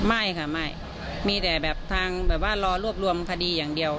ไม่ค่ะไม่มีแค่รอรวบรวมคดีอย่างเดียว